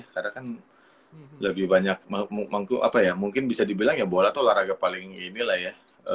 karena kan lebih banyak apa ya mungkin bisa dibilang ya bola tuh olahraga paling ini lah ya